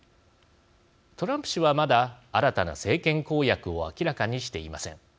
トランプ氏は、まだ新たな政権公約を明らかにしていません。